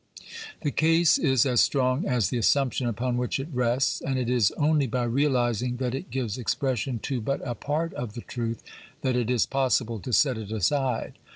The case is as strong as the assumption upon which it rests, and it is only by realising that it gives expression to but a part of the truth that it is possible to set it aside.